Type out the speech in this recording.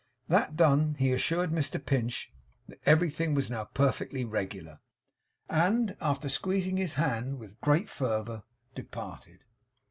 That done, he assured Mr Pinch that everything was now perfectly regular; and, after squeezing his hand with great fervour, departed.